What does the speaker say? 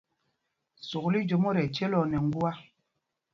Sukûl í jüé mot ɛcelɔɔ nɛ ŋgua.